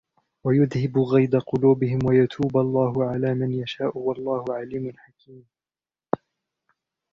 ويذهب غيظ قلوبهم ويتوب الله على من يشاء والله عليم حكيم